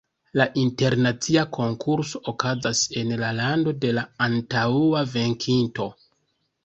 La internacia konkurso okazas en la lando de la antaŭa venkinto.